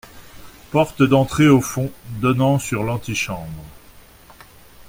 Porte d’entrée au fond, donnant sur l’antichambre.